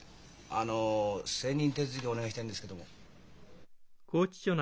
あの選任手続きをお願いしたいんですけども。